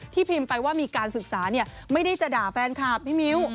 พิมพ์ไปว่ามีการศึกษาไม่ได้จะด่าแฟนคลับพี่มิ้ว